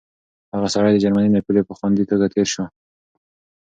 هغه سړی د جرمني له پولې په خوندي توګه تېر شو.